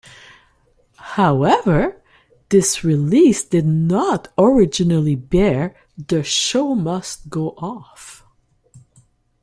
However, this release did not originally bear the Show Must Go Off!